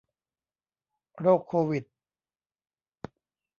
โรคโควิด